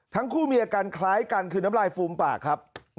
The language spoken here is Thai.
ทั้งคู่มีอาการคล้ายกันคือน้ำลายฟูมปากครับ